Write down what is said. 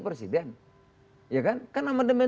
presiden ya kan kan amandemen